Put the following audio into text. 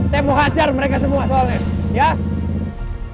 saya mau hajar mereka semua soalnya